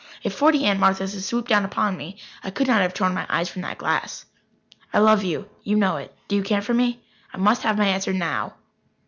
If forty Aunt Marthas had swooped down upon me, I could not have torn my eyes from that glass. "I love you. You know it. Do you care for me? I must have my answer now."